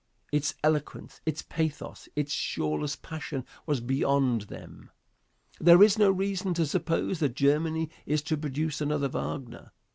Its eloquence, its pathos, its shoreless passion was beyond them. There is no reason to suppose that Germany is to produce another Wagner.